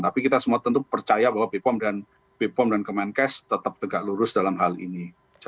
tapi kita semua tentu percaya bahwa bepom dan kemenkes tetap tegak lurus dalam hal ini